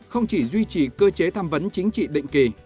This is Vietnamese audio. không chỉ duy trì cơ chế tham vấn chính trị định kỳ